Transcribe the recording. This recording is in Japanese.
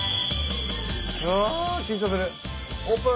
うわ緊張するオープン！